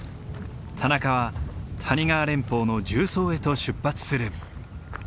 田中は谷川連峰の縦走へと出発する。